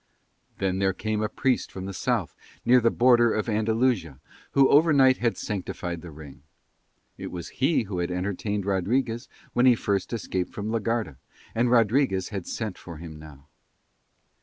Then there came a priest from the South, near the border of Andalusia, who overnight had sanctified the ring. (It was he who had entertained Rodriguez when he first escaped from la Garda, and Rodriguez had sent for him now.)